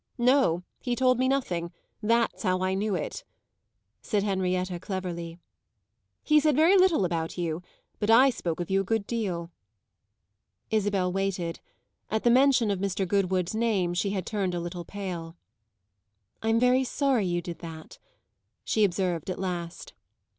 "No, he told me nothing; that's how I knew it," said Henrietta cleverly. "He said very little about you, but I spoke of you a good deal." Isabel waited. At the mention of Mr. Goodwood's name she had turned a little pale. "I'm very sorry you did that," she observed at last.